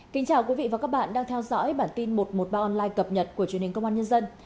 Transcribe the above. kính chào quý vị và các bạn đang theo dõi bản tin một trăm một mươi ba online cập nhật của truyền hình công an nhân dân